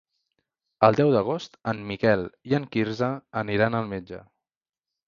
El deu d'agost en Miquel i en Quirze aniran al metge.